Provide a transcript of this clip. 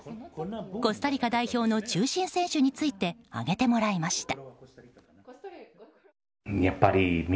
コスタリカ代表の中心選手について挙げてもらいました。